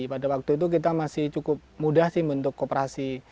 pada waktu itu kita masih cukup mudah sih membentuk kooperasi